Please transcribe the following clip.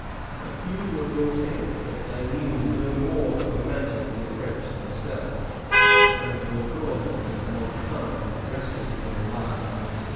A few were brought in, but they knew no more of the matter than the French themselves; and Vaudreuil and Montcalm rested for a while in suspense.